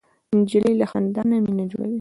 نجلۍ له خندا نه مینه جوړوي.